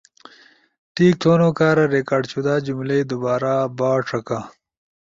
ٹیک تھونو کارا ریکارڈ شدہ جملائی دوبارا با ݜکا